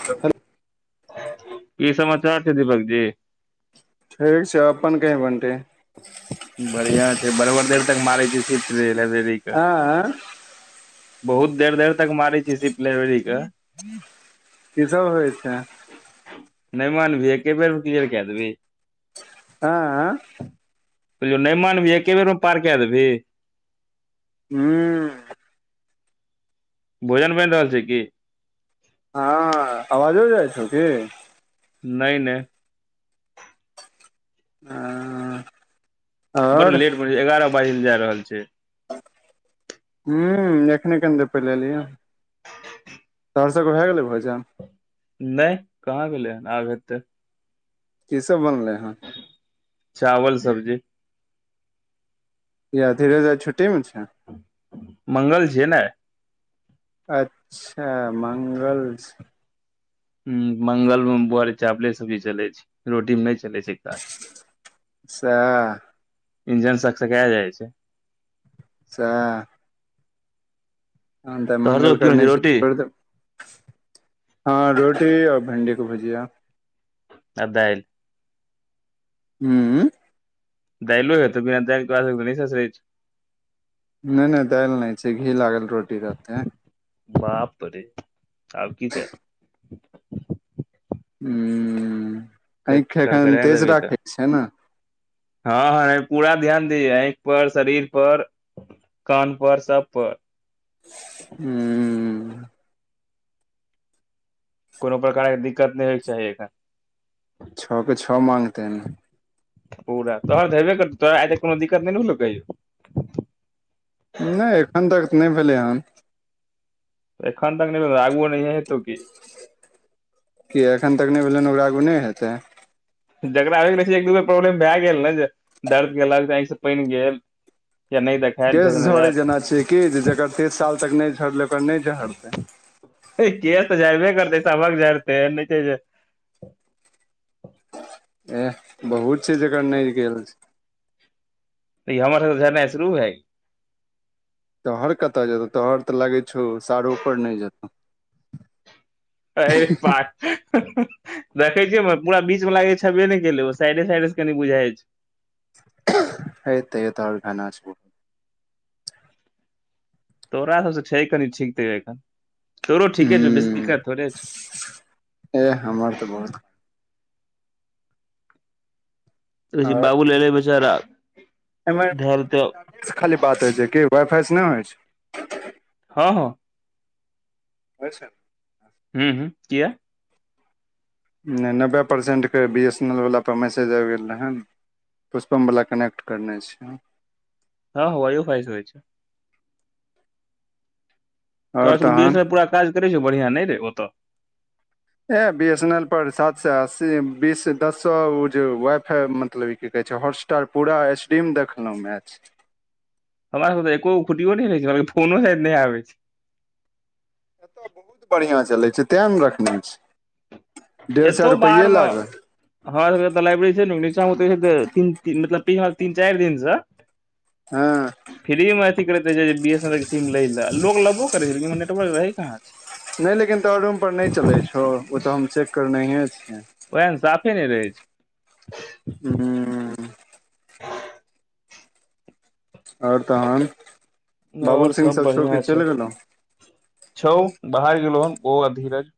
Hello कि समाचार छै दीपक जी ठीक छै अपन कही बटी बढ़िया छै बड़बर देर तक मारे छीही सिफ्ट रे लाइब्रेरी। के आय बहुत देर देर तक मारै छीही शिफ्ट लाइब्रेरी के। कि सभ होइ छै नहि मानबीही एके बेर मे क्लियर क देबीही आय। कहलीयो नहि मानबीही एके बेरमे पार के देबही। हू। भोजन बनि रहल छै कि। ह आवाजो जाइ छौ कि नहि नहि। [unintelligible] बड़ आओर लेट भेले एगारह बाजी ल जाय रहल छै हु एखने कनि देर पहिले एलिय हैं। तोहर सभ के भए गेलै भोजन। नहि कहाँ भेलै हन आब हतै। की सभ बनले हन चावल सब्जी। किया धिरज आय छुट्टी मे छै। मंगल छिये ने आय। अच्छा मंगल छै। हु मंगल मे बउवा रे चावले सब्जी चलै छै रोटी मे नहि चलै छै काज सेह इंजन सकसकाय जाइ छै। सेह। तहन त आय तोहर मंगल सब की होइ करने छै छी त रोटी तोईर दबही। हँ रोटी आऔर भिणडी के भूजिया आ दाईल। हू। दाइलो हेतो बिना दाईल के तोरा सभ के नय ससरय छै नहि नहि दालि नहि छै घी लागल रोटी रहते। बापरे आउ कि छैए हू आँखि एखन करकराइत तेज राखै छै ने ह ह ए पूरा ध्यान देही आँखि पर शरीर पर कान पर सभ पर हू कोनो प्रकार के दिक्कत नहि होय के चाही एखन। छओ के छओ माँगते हैं पूरा तोहर तऽ हेबे करतौ तोरा आइ तक कोनो दिक्कत नहि ने होलौ कहियौ। नहि एखन तक नहि भेलै हन। एखन तक नहि आगू नहि हेतो कि कि एखन तक नहि भेलै ने ओरा आगू नहि हेतै। जकरा हो गेलै एक दू बेर प्रॉब्लम भए गेल ने जे दर्द कक से पानि गेल। नहि तार झ म यार कीज जकर तीस साल तक नहि झड़लै ओकर नहि झड़तै। केस तऽ झड़बे करतै सभक़ँ झड़ते एह बहुत छै जकर नहि गेल। तऽ हमर सभके झरनाइ शुरू हय तोहर कतय जेतौ तोहर तऽ लागै छौ सारोपर नहि जेतौ। है लागल देखे छियै पूरा बीच मे लागे छेबे नहि केले ओ साइडे साइडे से कनि बुझा छै। हे त तऽ घाना छै तोरा सभसँ छै कनि ठीक तैन तरो ठीके छै बेस हूँ दिक्कत थोड़े छै एह हमर तऽ बहुत कह बाबू लै बेचारा ढेल तऽ एहि खाली बात होइ छै कि वाइ फाइ से नहि होइ छै। ह ह अच्छा हू हू किया नहि नब्बे परसेटके बी एस एन एल वला पर मैसेज आबि गेल रहै हन पुष्पमवला कनेक्ट करनेइ छै। ह यो फाइज होइ छै तोरा आओर तहन सभकेमे पूरा काज करै छौ बढ़िआ नहि रहै ओत ए बी एस एन एल पर सात स अस्सी बीस दस सए ओ जे वाइ फाई मतलब ई की कहै छै हॉटस पूरा स्ट्रीम देखलहूँ मैच हमरा सभके त एकोुटियो न रहे छै हमरा फोनो साद नहि आबे छ एतय बहुत बढ़िआ चलै छै तै ने रखना छै डेढ़ सए रुपैए लागत ह सभ तऽ लाइब्रेरी छैनचा तीन चारि दिनसँ [inaudible] ह। फ्री मे अथी करैते बी एस एन एल के सीम ले ले लोग लेबो करै छै लेबो नेटवर्क रहे कहाँ छै। नहि लेकिन तो रूम पर नहि चलै छौ ओ तऽ हम चेक करने छियै। ओहन साफे नहि रहै छै। हू आओर तहन छै बाबुल और सब सिंहसँ बढ़िया छोड़िकऽ छै चलि गेलहुँ। छौ बाहर गेलो हन ओ धीरज।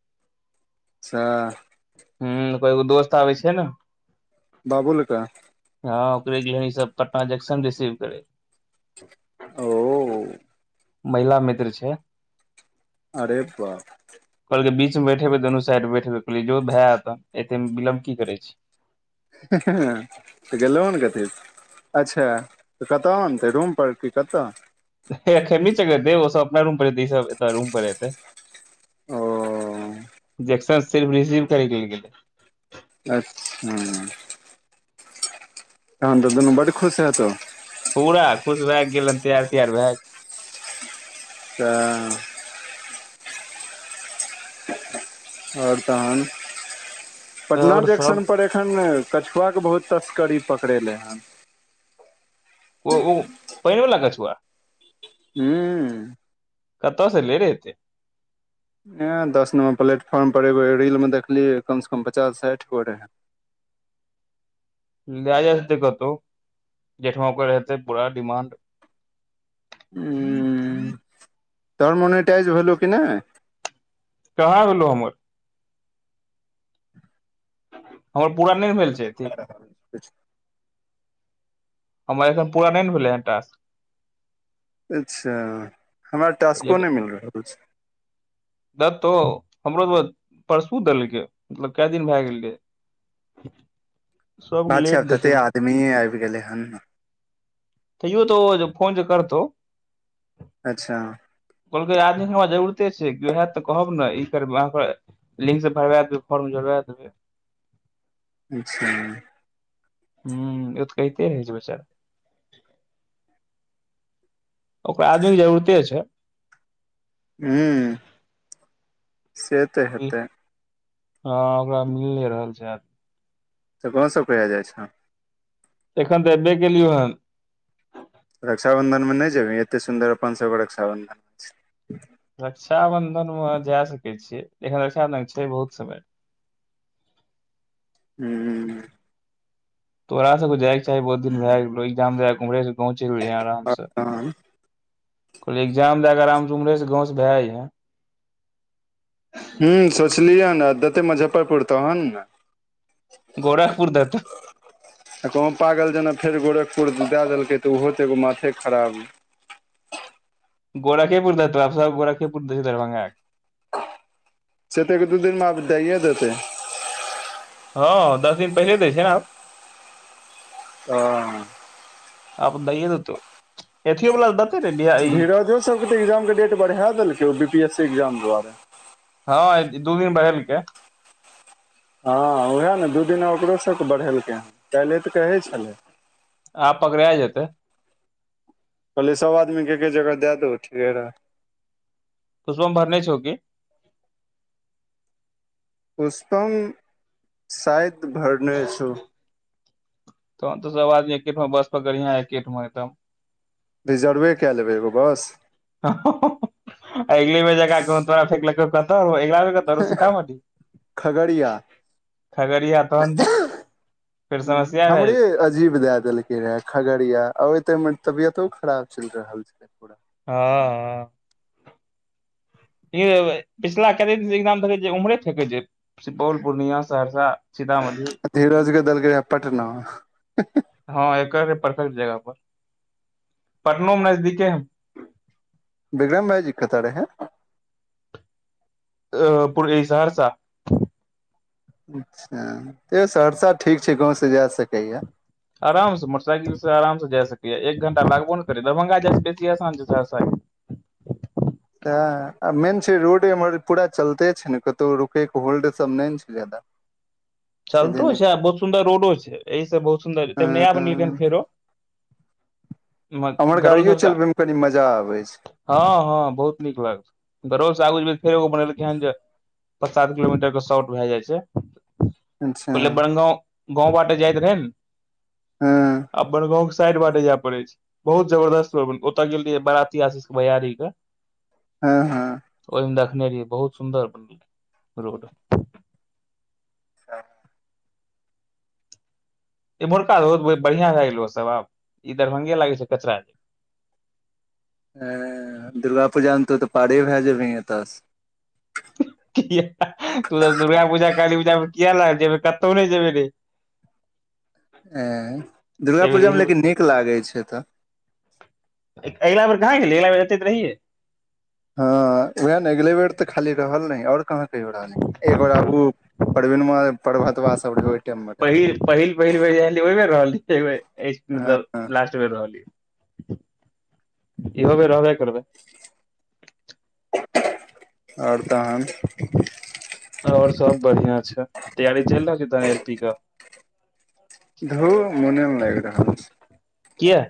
सेह हू कोइ एगो दोस्त आबै छै ने बाबूल कऽ ह ओकरे गेले ई सभ पटना जंक्शन रिसीव करे। ओ। महिला मित्र छै अरे बाप कहलकै बीच मे बैबे दुनू साइड मे बैठेबे कहलियै जो भए एत एते मे विलमब की करै छै। ह तऽ गेलहु ने कथी। अच्छा त कतऽ आनतै रूम परर कि कतऽ ओ सभ अपना रूम परै रूम पर एतै ओ। ्न सिर्फ रिसीव करिक ल गेलै अच्छा। तहन तऽ दुनू बड खुश हैता। पूरा खुश भए गेलनि तैयार तैयार भए गेल। [inaudible] आओर तहन पटना और सब जंक्शन पर एक अखन कछुआ के बहुत तस्करी पकड़ेले हन। ओ ओ पानि वाला कछुआ [inaudible] कतअ सऽ ऐलय रे ऐतै ए दस नंबर प्लेटफॉर्म पर एगो रील मे देखलियै कम से कम पचास साठि गो रहे। लए जायतै कतहु जेठमा ओकर रहते पूरा डिमांड। [inaudible] तोहर मोनिटइज भेललो कि नहि। [unintelligible] हमर पूरा नहि भेल छै एती। [inaudible] हमर एखन पूरा नहि ने भेलै ह टास्क। अच्छा हमरा टस्को नहि मिल रहल अछि। दतो हमरो त परसू देलकै मतलब क दिन भए गेल रहे। [unintelligible] [unintelligible] आछा लेट देखे तते मे। आदमीे आबि गेलै हन। त यो त फोन जे करतौ [unintelligible] कहलकै आदमीे हमरा जरूरते छै केओ होत तऽ कहब ने ई कर अहाँ लिंक से भरबा देब फर्म जोड़बा देबै। [inaudible] हू ए त कहहिते होइ छै बचारा। ओकरा आदमी के जरूरते छै। हू से तऽ हेतै। ह ओकरा मिल नहि रहल छै आदी। तऽ कोन सब कहा जाइ छ एखन तऽबे केलियौ हन। रक्षाबन्धनमे नहि जेबहै एतेक सुन्दर अपन सभके रक्षाबन्धन रक्षाबंधन मे जाय सकै छियै एखन रक्षांधन छै बहुत समय। [inaudible] तोहरा सब को जाइके चाही बहुत दिन भए गेलग्जाममहरे। गांव चलि हें आराम आ से तहन कहल एग्जाम दए के आराम से उम्हरे से गांव से भए जेय हें। ह सोचलियै ने देते मुजफ्फरपुर तहन ने। गोरखपुर द तऽ। कह पागल जेना फेर गोरखपुर दए देलकै तऽ ओहो तऽ एगो माथे खराब। गोड़ाके पुर दे तऽब सब गोड़ेपुर देै छै दरभंग एक से ते दू दिनमे आ दइए देतै। हँ दस दिन पहिले दै छै ने आब? [inaudible] आब दैये दतौ यथियो बला दत। धीरजो सबके तऽ एग्जामके डेट बढ़ा देलकै ओ B P S C exam दुआरे। हँ अथी दू दिन बढेलकै। हँ ओएह ने दू दिना ओकरो सबके बढ़ेलकै हँ, काल्हे तऽ कहै छलै। आब पकड़ए जेतै कहलियै सब आदमीके एके जगह दए दौ, ठीके रह पुष्पम भरने छौ की? पुष्पम शायद भरने छौ तहन तऽ सब आदमी एके ठांव बस पकड़िहें, एके ठांव एकदम रिजर्वे कए लेबै एगो बस अगले बेर जकाँ कहूँ तोरा फेक लकौ कन [unintelligible] तब अगिला बेर कतऽ रहौ सीतामढ़ी खगड़िया खगड़िया तहन तऽ फेर समस्या भए हमरे जेतै अजीब दए देलक किये खगड़िया और एत हमर तबियतो खराब चलि रहल छेलै पूरा हँ [unintelligible] पिछिला कत देख उम्हरे फेकै जे सुपौल, पूर्णिया, सहरसा, सीतामढ़ी धीरज के देलकै रहै पटना [inaudible] हँ एकर रहै परफेक्ट जगह पर। पटनो नजदीके है। विक्रम भाइजी कतऽ रहे? अ अ पुर ई सहरसा अच्छा, तैयो सहरसा ठीक छै गाँव से जा सकैयै। आराम से मोटरसाइकिल से आराम से जा सकैए। एक घंटा लागबो ने करै, दरभंगा जाय से बेसी आसान छै सहरसा गेनाइ तए, आ मेन छै रोड एमहर पूरा चलते छै ने कतहु रुकयके होल्डसभ नहि ने छै जादा सीधे चलतो ने छै अ बहुत सुन्दर रोडो छै। एहि सब बहुत सुन्दर छै त नया हम्म बनेलिन फेरो एम्हर गरौल गाड़ियो सबसँ चलबै मे कनी मजा आबै छै हँ हँ बहुत नीक लागय छै। बढ़बो आगू मे फेर एगो बनेलकै हन जे पंच-सात किलोमीटर के शॉर्ट भए जाइ छै छै अच्छा पहिले बनगाँव गाँव बाटे जायत रहै ने हँ आब बनगाँंव के साइड बाटे जाय पड़े छै बहुत जबरदस्त भऽ गेलै, ओतय गेल रयै बाराती आशीष के भैयारी के हँ हँ ओहिमे देखने रहियै बहुत सुंदर बनेलकै, रोड अच्छा [inaudible] एम्हुरका रोड बै बढ़िया भए गेलै सब आब। ई दरभंगे लागे छै कचरा ऐं दुर्गा पूजा मे तो तऽ त पारे भै जेभीं एता से किये हा हा तू तऽ दुर्गा पूजा काली पूजा मे किया लाग जेबै, कत्तो नहि जेबे रे [inaudible] ऐं दुर्गा एहिबेर पूजामे हिल लेकिन नीक लागैत छै एतऽ ए अगला बेर कहाँ गेल, अगला बेर तऽ एत रहिेये हँ उएह नेगलेवेट तऽ खाली रहल ने आओर कहाँ कहियो रहल एको उ [unintelligible] परवीणवा अ प्रभतवा सब रहबय पहिल पहिल पहिल बेर ओहि बेर रहल रहै मतलब हँ लास्ट [unintelligible] बेर रहलिय, इहो बेर रहबे करबै [unintelligible] और तहन और सब बढ़िआ छै। तैयारी चैल रहल छै तऽ एल पी कऽ धू मोने नै लाइग रहल छै किया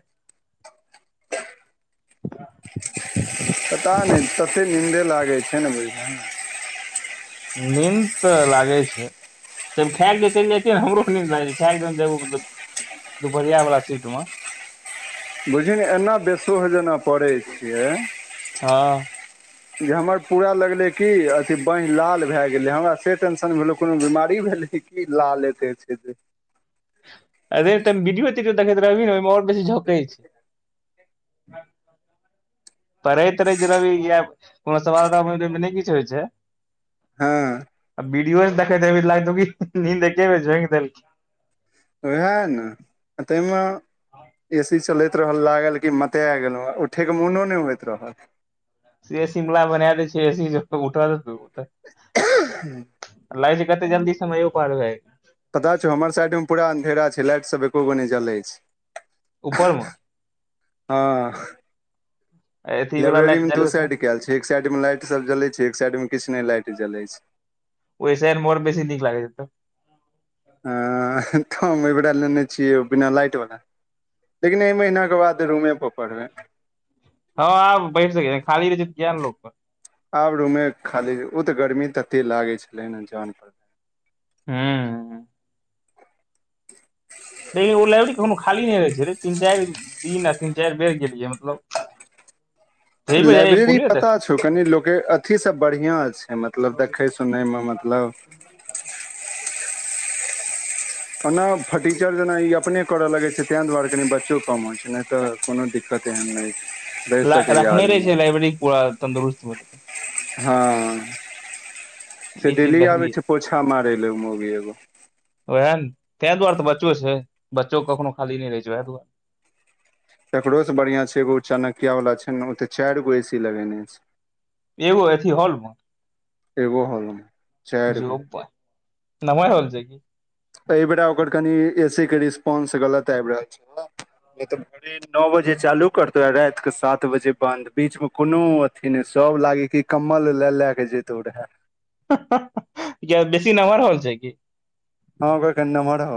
[unintelligible] पता नहि तते नींन्दे लागै छै न बुझलहो नींद तऽ लागे छै तब खै केँ चैल जाइ न हमरो निंद लागै जाइ छै खै केँ जहन जेबै मतलब दुपहरिया वाला शिफट मऽ बुझियौ न एना बेसोह जेना पड़ै छियै। [inaudible] हँ जे हमर पूरा लगले की अथी बानहि लाल भए गेले हमरा से टेंशन भेल कोनो बीमारी भेलै की लाल अते छै जे अरे तनि विडियो तीडियो देखैत रहब न ओइम और बसी झोकै छै [inaudible] पढ़ैत तरहैत जे रहबि य कोनो सवालमे ताबल बनबैत रहबि तऽ नहि किछु होइ छै। हँ विडियो जे देखैत रहबि निंद एकेबेर झौक देलकै उएह नऽ [inaudible] आ ताइम ए सी चलैत रहल लागल की मनै गेलैं उठे कऽ मोनो नहि होइत रहल। से शिमला बना देै छै ए सी उठ देतै [unintelligible] लागै छै कतेक जल्दी समय यौ पार भै पता छौ हमर साइड म पूरा अन्धेरा छै लाइट सब एको गो नहि जलै छै ऊपर म [inaudible] हँ [inaudible] अथी वाला लाइब्रेरी लाइट मे दो जरैत हेतौ साइड कैल छै एक साइड मऽ लाइट सब जलै छै एक साइड मऽ किछ नै लाइट जलै छै। ओहिसँ ऐमहर बेसी नीक लागैत हेतै [unintelligible] तऽ हम एहिबेरा लेने छियै बिना लाइट वला लेकिन एहि महिना कऽ बाद रूमे पर पढ़बै। हँ आ पढ़ै सकै यऽ खाली रहै छै किया नै प आब रूमे खाली ओ तऽ गर्मी तते लागे छले न जान पर [unintelligible] लेकिन ओ लाइब्रेरी कोनो खाली नहि रहै छै रे तीन चार दिन आ तीन चार बेर गेलियै मतलब। [inaudible] जै बेर जाइयै लाइब्रेरी फुले देख पता छौ कनि लोक अथी सब बढ़ियाँ छै मतलब देखै सुनै मऽ मतलब ओना फर्टीचर जेना ई अपने करऽ लगे छै तें दुआरे कनि बच्चो काम हो छै नहि तऽ कोनो दिक्क -त एहन नहि रहि ला सकैए रखने रहै आदमी छै लैब्रेरी पूरा तंदुरुस्त म लेकिन हँ [inaudible] से चीज डेली आबै देखलियै छै पोछा मारे लऽ मोगी एगो। ओएह ने तै दुआरे तऽ बच्चो छै बच्चोे कखनो खाली नहि रहै छै वएह दुआरे। तकरोसँ बढ़िआँ छै एगो चाणक्य वला छै ने ओ तऽ चार गो ए सी लगेने छै। एगो अथि हॉलम एगो हॉलम जो बरह [inaudible] नमहर हॉलछै कि एहिबेरा ओकर कनि ए सी कऽ रिस्पांस गलत आइब रहल छलै नहि तऽ भोरे नओ बजे चालू करतौ रति केँ सात बजे बन्द। बीच में कोनो अथी नै सब लागी की कम्बल ले ले कऽ जेतै रे है। [unintelligible] किया बेसी नमहर हॉल छै की? हँ ओकर कनि नमहर हॉल